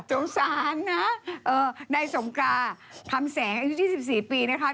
สงสารนะนายสงการทำแสงอายุ๒๔ปีนะคะ